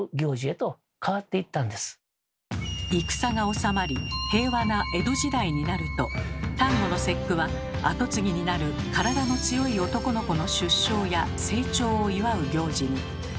戦がおさまり平和な江戸時代になると端午の節句は跡継ぎになる体の強い男の子の出生や成長を祝う行事に。